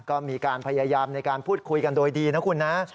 ก็มีการพยายามในการพูดคุยกันโดยดีนะคุณนะ